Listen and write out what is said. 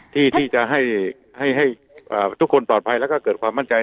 ที่จะให้ทุกคนปลอดภัยแล้วก็เกิดความมั่นใจ